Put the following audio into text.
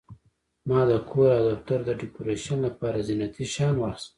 ما د کور او دفتر د ډیکوریشن لپاره زینتي شیان واخیستل.